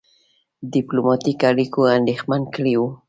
ډيپلوماټیکو اړیکو اندېښمن کړی وو.